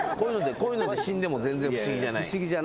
こういうので死んでも全然不思議じゃない。